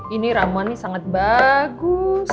ini ramuan ini sangat bagus